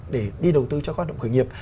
để đi đầu tư cho hoạt động khởi nghiệp